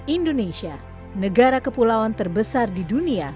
indonesia negara kepulauan terbesar di dunia